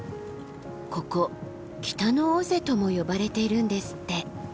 ここ北の尾瀬とも呼ばれているんですって。